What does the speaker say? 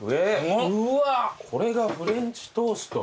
これがフレンチトースト？